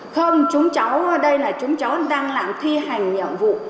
không chúng cháu ở đây là chúng cháu đang làm thi hành nhiệm vụ